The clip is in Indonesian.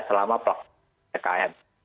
selama pelaksanaan ppkm